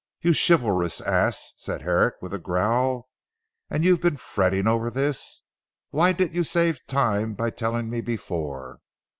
"You chivalrous ass!" said Herrick with a growl, "and you've been fretting over this? Why didn't you save time by telling me before?"